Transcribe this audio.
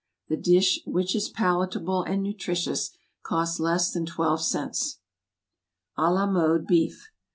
The dish, which is palatable and nutritious, costs less than twelve cents. =À la Mode Beef.